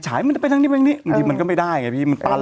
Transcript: ฉายมันจะไปทางนี้แบบนี้อืมมันก็ไม่ได้ไงพี่มันตัน